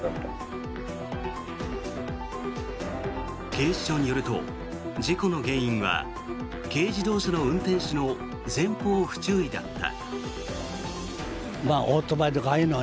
警視庁によると事故の原因は軽自動車の運転手の前方不注意だった。